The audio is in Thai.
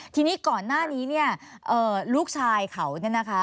ทีนี้ก่อนหน้านี้ลูกชายเขานะคะ